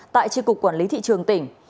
tại chi cục quản lý thị trường tỉnh